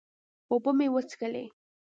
اوبۀ مې وڅښلې